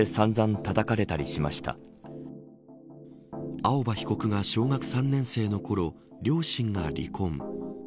青葉被告が小学３年生のころ両親が離婚。